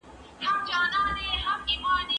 کمونيسټ له جرمني څخه روسيې ته د تللو وېزه ترلاسه کړه.